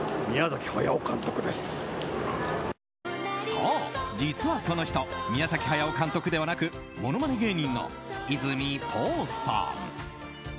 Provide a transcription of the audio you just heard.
そう、実はこの人宮崎駿監督ではなくものまね芸人のいずみ包さん。